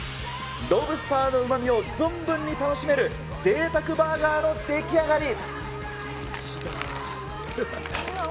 ロブスターのうまみを存分に楽しめる、ぜいたくバーガーの出来上がり。